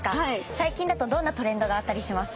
最近だとどんなトレンドがあったりしますか？